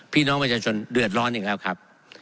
พี่น้องประชาชนเดือดร้อนอีกแล้วครับ